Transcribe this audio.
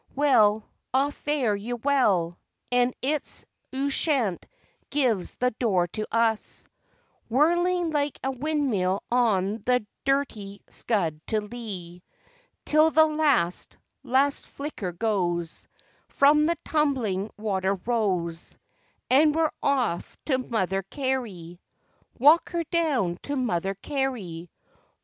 Well, ah fare you well, and it's Ushant gives the door to us, Whirling like a windmill on the dirty scud to lee: Till the last, last flicker goes From the tumbling water rows, And we're off to Mother Carey (Walk her down to Mother Carey!)